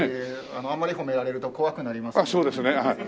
あんまり褒められると怖くなりますね。